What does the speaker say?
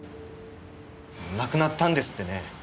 亡くなったんですってね。